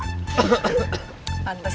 pantes sama pake kacamata ya